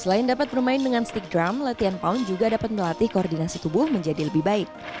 selain dapat bermain dengan stick drum latihan pound juga dapat melatih koordinasi tubuh menjadi lebih baik